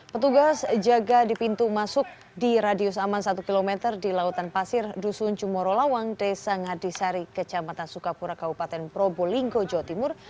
petugas jaga di pintu masuk di radius aman satu km di lautan pasir dusun cumoro lawang desa ngadisari kecamatan sukapura kabupaten probolinggo jawa timur